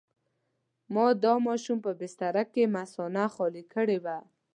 ما د ماشوم په بستره کې مثانه خالي کړې وه.